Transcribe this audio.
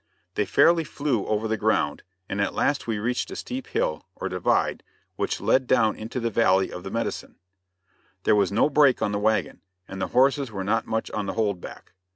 They fairly flew over the ground, and at last we reached a steep hill, or divide, which, led down into the valley of the Medicine. There was no brake on the wagon, and the horses were not much on the hold back.